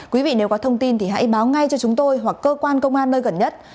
quý vị nếu có thông tin thì hãy báo ngay cho chúng tôi hoặc cơ quan công an nơi gần nhất